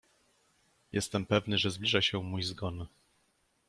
— Jestem pewny, że się zbliża mój zgon.